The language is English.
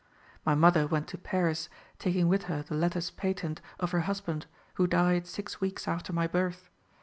My mother went to Paris, taking with her the letters patent of her husband, who died six weeks after my birth.